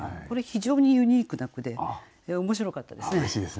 これ非常にユニークな句で面白かったですね。